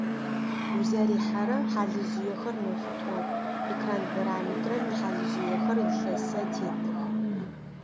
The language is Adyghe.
Узэрихьэрэ хьалыжъыехэр мэфитӏо, экран параметрэм ихьалыжъыехэр илъэсэ тетых.